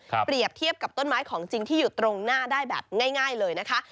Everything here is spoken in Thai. เปรียบเทียบกับต้นไม้ของจริงที่อยู่ตรงหน้าได้แบบง่ายเลยนะคะ